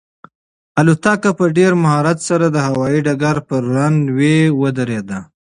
الوتکه په ډېر مهارت سره د هوایي ډګر پر رن وې ودرېده.